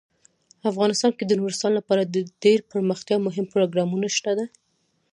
افغانستان کې د نورستان لپاره ډیر دپرمختیا مهم پروګرامونه شته دي.